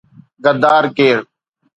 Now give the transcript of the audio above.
”غدار ڪير؟